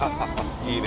いいね